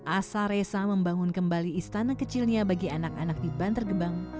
asa resa membangun kembali istana kecilnya bagi anak anak di bantar gebang